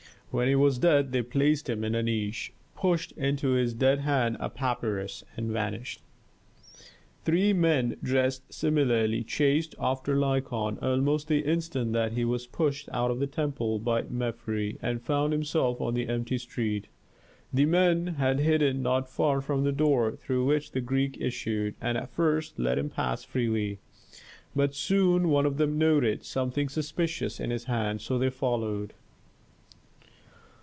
When he was dead they placed him in a niche, pushed into his dead hand a papyrus, and vanished. Three men dressed similarly chased after Lykon almost the instant that he was pushed out of the temple by Mefres and found himself on the empty street. The men had hidden not far from the door through which the Greek issued, and at first let him pass freely. But soon one of them noted something suspicious in his hand, so they followed.